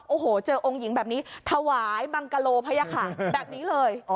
โอ้โหเจอองค์หญิงแบบนี้ถวายบังกะโลพญาขาแบบนี้เลย